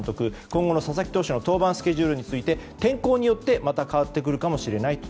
今後の佐々木投手の登板スケジュールについて天候によって、また変わってくるかもしれないと。